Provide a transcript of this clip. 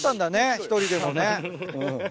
１人でもね。